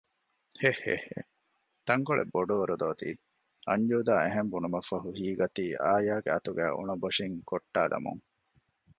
ހެހެހެ ތަންކޮޅެއް ބޮޑުވަރު ދޯ ތީ އަންޖޫދާ އެހެން ބުނުމަށްފަހު ހީގަތީ އާޔާގެ އަތުގައި އުޅަނބޮށިން ކޮށްޓާލަމުން